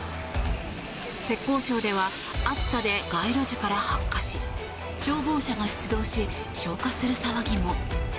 浙江省では暑さで街路樹から発火し消防車が出動し消火する騒ぎも。